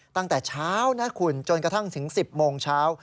ตั้งแต่เช้านะคุณจนกระทั่งถึง๑๐โมงเช้า